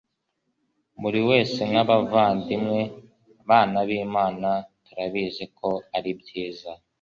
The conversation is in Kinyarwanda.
buri wese nk'abavandimwe, bana b'imana. turabizi ko aribyiza